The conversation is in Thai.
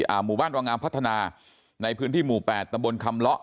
หมู่บ้านวังงามพัฒนาในพื้นที่หมู่แปดตำบลคำเลาะ